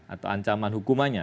atau ancaman hukumannya